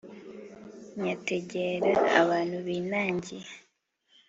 Nyategera abantu binangiye